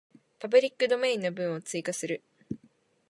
パブリックドメインの文を追加する